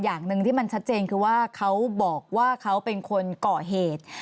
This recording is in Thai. อย่างหนึ่งที่มันชัดเจนคือว่าเขาบอกว่าเขาเป็นคนเกาะเหตุ